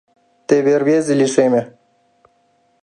Теве рвезе лишеме.